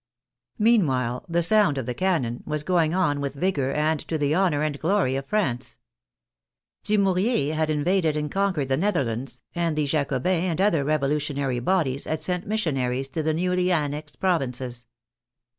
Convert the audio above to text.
Meanwhile " the sound of the cannon " was going on with vigor and to the honor and glory of France. Du mouriez had invaded and conquered the Netherlands, and the Jacobins and other revolutionary bodies had sent missionaries to the newly annexed provinces.